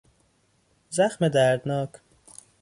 زخم دردناک